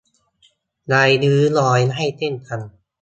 ไร้ริ้วรอยได้เช่นกัน